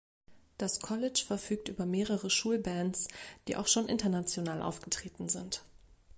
Das College verfügt über mehrere Schulbands, die auch schon international aufgetreten sind.